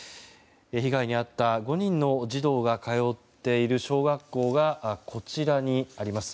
被害に遭った５人の児童が通っている小学校がこちらにあります。